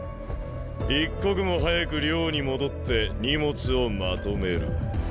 一刻も早く寮に戻って荷物をまとめる。